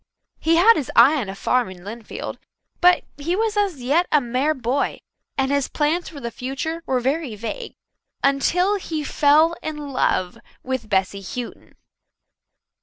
He had his eye on a farm in Lynnfield, but he was as yet a mere boy, and his plans for the future were very vague until he fell in love with Bessy Houghton.